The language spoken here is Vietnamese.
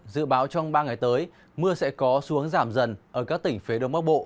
dự báo trong ba ngày tới mưa sẽ có xuống giảm dần ở các tỉnh phía đông bắc bộ